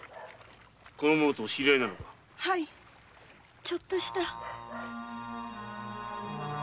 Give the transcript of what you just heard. はいちょっとした。